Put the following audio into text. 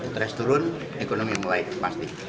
terus turun ekonomi membaik pasti